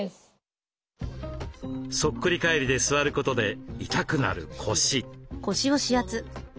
そっくり返りで座ることで痛くなる腰。